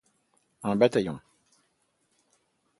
Un bataillon.